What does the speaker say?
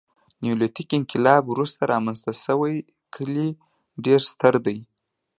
نیولیتیک انقلاب وروسته رامنځته شوي کلي ډېر ستر دي.